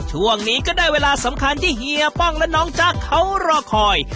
ช่วงนี้ก็ได้เวลาสำคัญที่เฮียป้องและน้องจ๊ะเขารอคอย